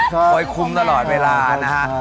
ปลออยคุมตลอดเวลานะครับ